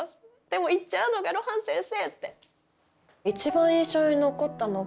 でも行っちゃうのが露伴先生って。